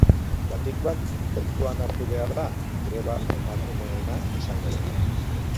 Batik bat, kontuan hartu behar da greba emakumeena izango dela.